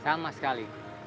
sama sekali tidak melihat